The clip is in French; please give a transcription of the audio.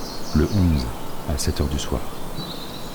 Le onze, à sept heures du soir.